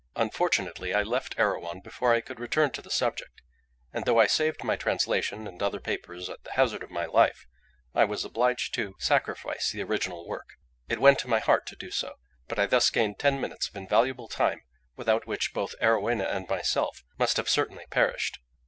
Unfortunately, I left Erewhon before I could return to the subject; and though I saved my translation and other papers at the hazard of my life, I was a obliged to sacrifice the original work. It went to my heart to do so; but I thus gained ten minutes of invaluable time, without which both Arowhena and myself must have certainly perished.